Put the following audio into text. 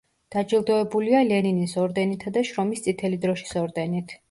დაჯილდოებულია ლენინის ორდენითა და შრომის წითელი დროშის ორდენით.